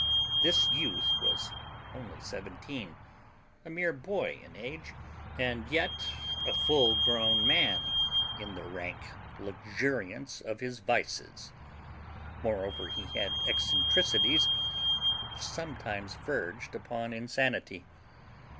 This youth was only seventeen a mere boy in age, and yet a full grown man in the rank luxuriance of his vices. Moreover, he had eccentricities which sometimes verged upon insanity.